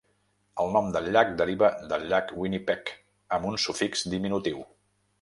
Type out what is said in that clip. El nom del llac deriva del Llac Winnipeg, amb un sufix diminutiu.